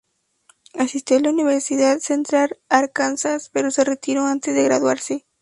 Asistió a la Universidad de Central Arkansas, pero se retiró antes de graduarse.